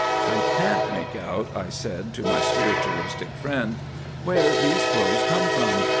"I can't make out," I said to my spiritualistic friend, "where these clothes come from.